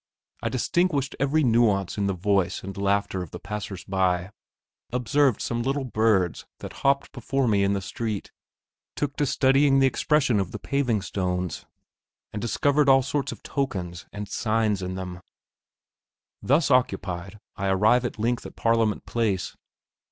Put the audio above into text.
I distinguished every nuance in the voice and laughter of the passers by, observed some little birds that hopped before me in the street, took to studying the expression of the paving stones, and discovered all sorts of tokens and signs in them. Thus occupied, I arrive at length at Parliament Place.